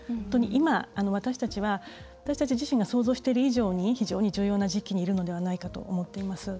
今、私たち自身が想像している以上に非常に重要な時期にいるのではないかと思っています。